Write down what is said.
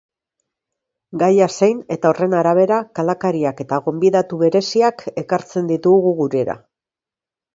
Gaia zein eta horren arabera kalakariak eta gonbidatu bereziak ekartzen ditugu gurera.